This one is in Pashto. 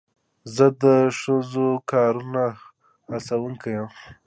زه د ښو کارونو هڅوونکی یم.